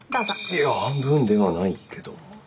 いや半分ではないけども。